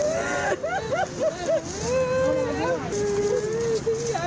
และมันมีไม่มีเป็นที่